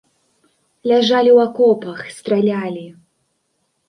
Ляжалі ў акопах, стралялі.